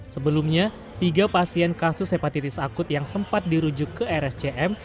sebelumnya tiga pasien kasus hepatitis akut yang sempat dirujuk ke rscm